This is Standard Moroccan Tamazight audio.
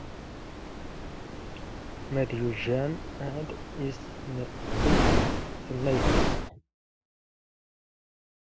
ⵎⴰⴷ ⵢⵓⵊⵊⴰⵏ ⴰⴷ ⵉⵙⵙⵏⴼⵍ ⵜⴰⵏⵏⴰⵢⵜ ⵏⵏⵙ?